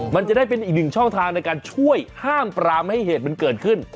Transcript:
มันจะได้เป็นอีกหนึ่งช่องทางในการช่วยห้ามปรามให้เหตุมันเกิดขึ้น